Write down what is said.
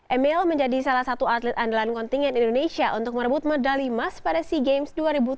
emil menjadi salah satu atlet andalan kontingen indonesia untuk merebut medali emas pada sea games dua ribu tujuh belas